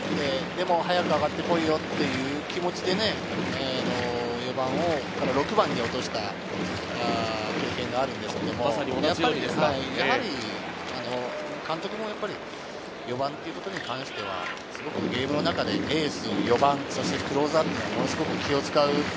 でも早く上がってこいよっていう気持ちでね、４番から６番に落とした経験があるんですけれども、やはり監督も４番ということに関してはすごくゲームの中でエース、４番、クローザーっていうのは気を使う。